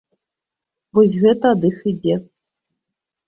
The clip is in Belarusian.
Вось гэта ад іх ідзе.